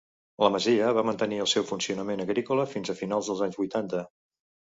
La masia va mantenir el seu funcionament agrícola fins a finals dels anys vuitanta.